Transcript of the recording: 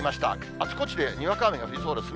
あちこちでにわか雨が降りそうですね。